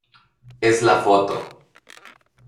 es la foto...